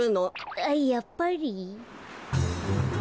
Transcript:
あっやっぱり。